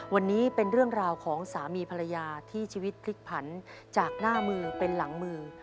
วันนี้เป็นเรื่องราวของสามีภรรยาที่ชีวิตพลิกผันจากหน้ามือเป็นหลังมือ